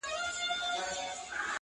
شکر د خدای په نعموتو کي چي تا وينم_